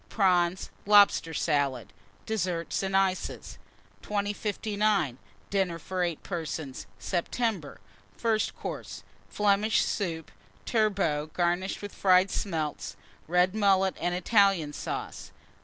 Prawns. Lobster Salad. DESSERTS AND ICES. 2059. DINNER FOR 8 PERSONS (September). FIRST COURSE. Flemish Soup. Turbot, garnished with Fried Smelts. Red Mullet and Italian Sauce.